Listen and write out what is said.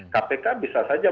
kpk bisa saja